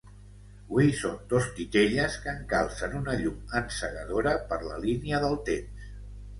Hui són dos titelles que encalcen una llum encegadora per la línia del temps